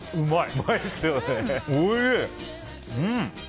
うまい。